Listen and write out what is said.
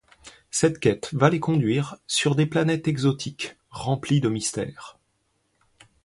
Cette quête va les conduire sur des planètes exotiques, remplies de mystère.